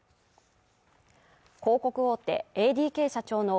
広告大手ＡＤＫ社長の